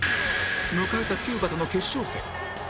迎えたキューバとの決勝戦